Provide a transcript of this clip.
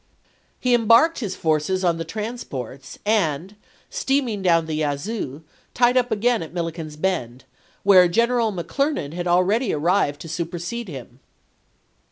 He em barked his forces on the transports and, steaming down the Yazoo, tied up again at Milliken's Bend, where General McClernand had already arrived to supersede him.